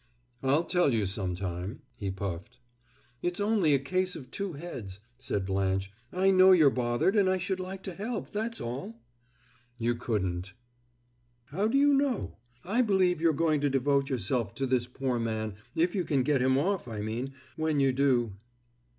"I'll tell you some time," he puffed. "It's only a case of two heads," said Blanche. "I know you're bothered, and I should like to help, that's all." "You couldn't." "How do you know? I believe you're going to devote yourself to this poor man if you can get him off I mean, when you do."